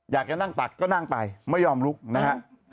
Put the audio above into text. อยากจะนั่งตักก็นั่งไปไม่ยอมลุกนะฮะ